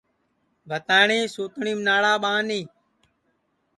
بھتاٹؔی سوتٹؔیم ناڑا ٻانی